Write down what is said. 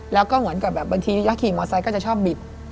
แล้วก็เหมือนกับแบบบางทีถ้าขี่มอไซค์ก็จะชอบบิด